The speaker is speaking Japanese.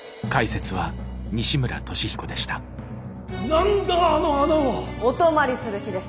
何だあの穴は！お泊まりする気です。